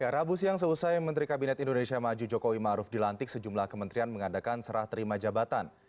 rabu siang seusai menteri kabinet indonesia maju jokowi maruf dilantik sejumlah kementerian mengadakan serah terima jabatan